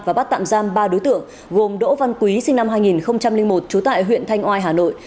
và bắt tạm giam ba đối tượng gồm đỗ văn quý sinh năm hai nghìn một trú tại huyện thanh oai hà nội